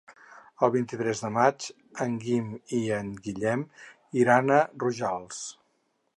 El vint-i-tres de maig en Guim i en Guillem iran a Rojals.